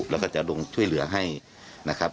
แล้วก็จะลงช่วยเหลือให้นะครับ